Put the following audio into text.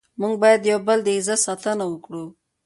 موږ باید د یو بل د عزت ساتنه وکړو.